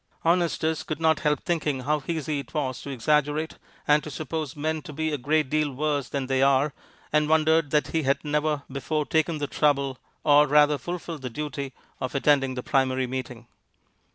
Honestus could not help thinking how easy it was to exaggerate, and to suppose men to be a great deal worse than they are, and wondered that he had never before taken the trouble or, rather, fulfilled the duty of attending the primary meeting.